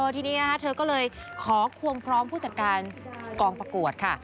ทีนี้นะคะเธอก็เลยขอควงพร้อมผู้จัดการกองประกวดค่ะ